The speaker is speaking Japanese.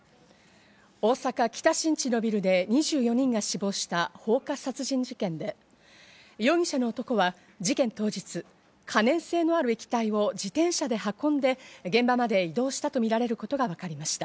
大阪・北新地のビルで、２４人が死亡した放火殺人事件で、容疑者の男は事件当日、可燃性のある液体を自転車で運んで現場まで移動したとみられることがわかりました。